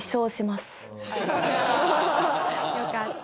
よかった。